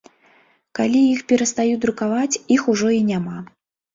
Калі іх перастаюць друкаваць, іх ужо і няма.